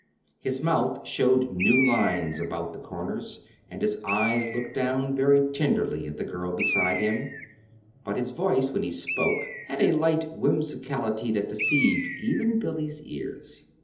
His mouth showed new lines about the corners, and his eyes looked down very tenderly at the girl beside him; but his voice, when he spoke, had a light whimsicality that deceived even Billy's ears.